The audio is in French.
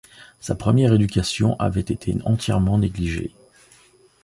Sa première éducation avait été entièrement négligée.